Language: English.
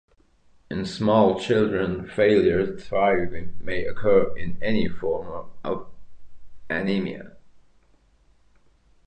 In small children, failure to thrive may occur in any form of anemia.